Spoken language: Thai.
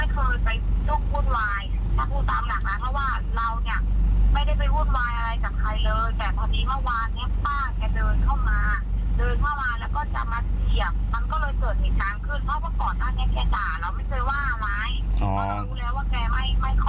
ท่านรู้แล้วว่าแกไม่ค่อยโอเคเนาะ